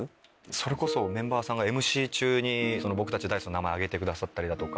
それこそメンバーさんがＭＣ中に僕たちＤａ−ｉＣＥの名前を挙げてくださったりだとか。